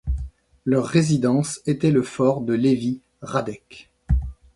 Leur résidence était le fort de Levý Hradec.